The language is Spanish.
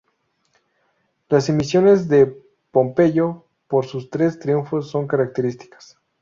Las emisiones de Pompeyo por sus tres triunfos son características.